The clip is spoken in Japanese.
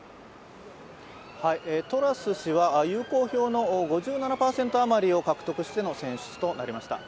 トラス氏は有効票の５７％余りを獲得しての選出となりました。